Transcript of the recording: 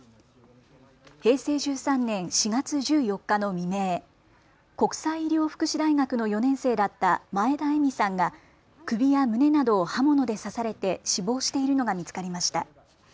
平成１３年４月１４日の未明、国際医療福祉大学の４年生だった前田笑さんが首や胸などを刃物で刺されて死亡しているのが見つかりました。